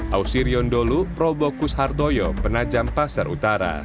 ausirion dolu probokus hardoyo penajam pasar utara